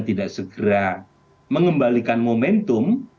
tidak segera mengembalikan momentum